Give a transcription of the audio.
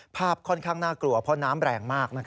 ภาพค่อนข้างน่ากลัวเพราะน้ำแรงมาก